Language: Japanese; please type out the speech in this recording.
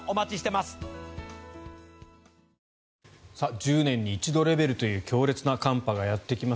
１０年に一度レベルという強烈な寒波がやってきます。